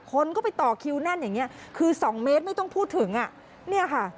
คนก็ไปต่อคิวแน่นอย่างนี้คือ๒เมตรไม่ต้องพูดถึงนี่ค่ะ